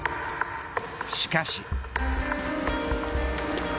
しかし。